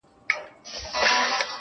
غاړه راکړه، خولگۍ راکړه، بس دی چوپ سه_